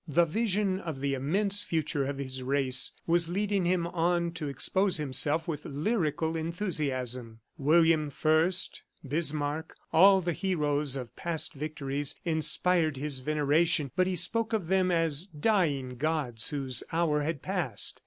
The vision of the immense future of his race was leading him on to expose himself with lyrical enthusiasm. William I, Bismarck, all the heroes of past victories, inspired his veneration, but he spoke of them as dying gods whose hour had passed.